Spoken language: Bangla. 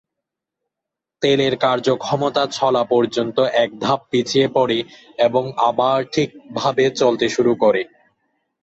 তেলের কার্যক্ষমতা চলা পর্যন্ত এক ধাপ পিছিয়ে পড়ে এবং আবার ঠিকভাবে চলতে শুরু করে।